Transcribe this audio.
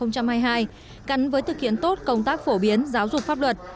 cắn với thực hiện tốt công tác phổ biến giáo dục pháp luật